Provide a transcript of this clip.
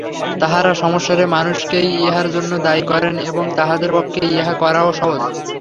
তাঁহারা সমস্বরে মানুষকেই ইহার জন্য দায়ী করেন এবং তাঁহাদের পক্ষে ইহা করাও সহজ।